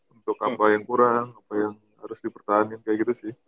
untuk apa yang kurang apa yang harus dipertahankan kayak gitu sih